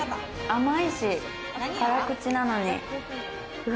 甘いし、辛口なのに。